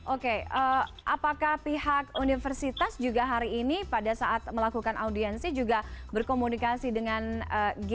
oke apakah pihak universitas juga hari ini pada saat melakukan audiensi juga berkomunikasi dengan g dua puluh